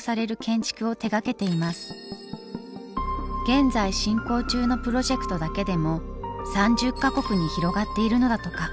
現在進行中のプロジェクトだけでも３０か国に広がっているのだとか。